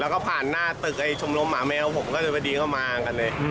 แล้วก็ผ่านหน้าตึกไอ้ชมรมหมาแมวผมก็เลยพอดีเข้ามากันเลย